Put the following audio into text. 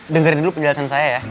dengar dulu penjelasan saya ya